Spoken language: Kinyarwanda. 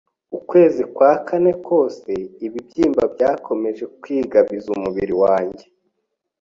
Ukwezi kwa kane kose, ibibyimba byakomeje kwigabiza umubiri wanjye,